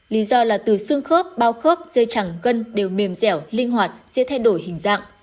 lý do là từ xương khớp bao khớp dây chẳng gân đều mềm dẻo linh hoạt dễ thay đổi hình dạng